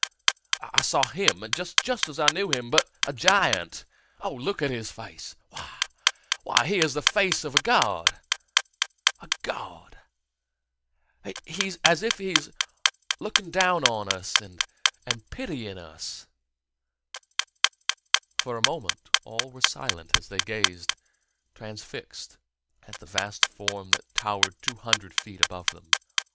I saw him just as I knew him but a giant! Look at his face! Why, he has the face of of a god! He's as if he were looking down on us and pitying us...." For a moment all were silent as they gazed, transfixed, at the vast form that towered two hundred feet above them.